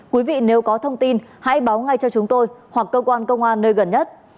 quý vị nếu có thông tin hãy báo ngay cho chúng tôi hoặc cơ quan công an nơi gần nhất